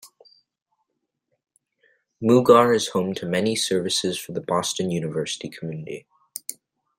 Mugar is home to many services for the Boston University community.